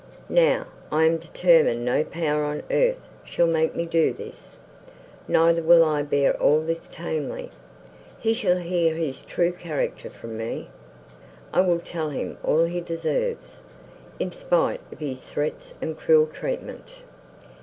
Now, I am determined no power on earth shall make me do this. Neither will I bear all this tamely. He shall hear his true character from me; I will tell him all he deserves, in spite of his threats and cruel treatment."